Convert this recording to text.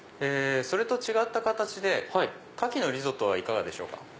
それと違った形で牡蠣のリゾットいかがでしょうか？